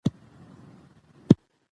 تاسو هم فرصتونه لټوئ.